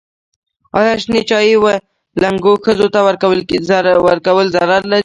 ایا شنې چايي و لنګو ښځو ته ورکول ضرر لري؟